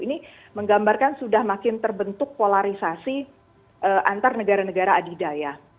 ini menggambarkan sudah makin terbentuk polarisasi antar negara negara adidaya